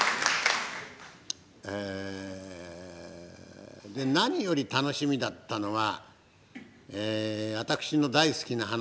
ええで何より楽しみだったのは私の大好きな噺家で三笑